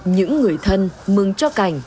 những người thân mừng cho cảnh